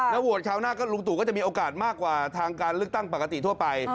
โหวตคราวหน้าก็ลุงตู่ก็จะมีโอกาสมากกว่าทางการเลือกตั้งปกติทั่วไป